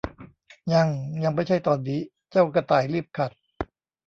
ยัง ยังไม่ใช่ตอนนี้ เจ้ากระต่ายรีบขัด